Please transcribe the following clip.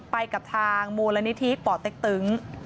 ไปกับทางมูลนิธิป่อเต็กตึง